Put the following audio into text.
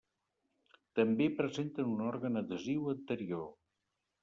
També presenten un òrgan adhesiu anterior.